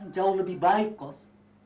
jauh lebih baik kos